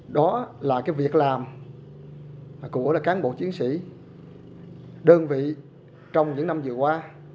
đó là cái việc làm của cán bộ chiến sĩ đơn vị trong những năm vừa qua